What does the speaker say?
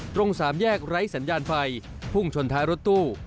ตรงสามแยกไร้สัญญาณไฟพุ่งชนท้ายรถตู้